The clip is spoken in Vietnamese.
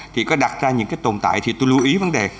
thì có đặt ra những cái tồn tại thì tôi lưu ý vấn đề